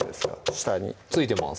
下に付いてます